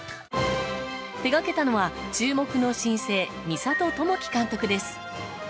手がけたのは注目の新星見里朝希監督です。